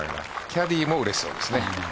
キャディーもうれしそうですね。